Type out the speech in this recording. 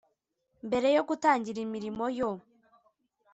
mbere yo gutangira imirimo yo